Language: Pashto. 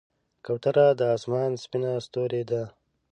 کوتره د آسمان سپینه ستورۍ ده.